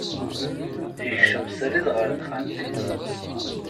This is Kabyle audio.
Yekcem srid ɣer texxamt-is.